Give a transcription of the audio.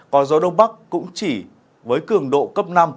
có gió đông bắc cũng chỉ với cường độ cấp năm